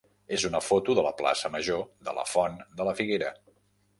és una foto de la plaça major de la Font de la Figuera.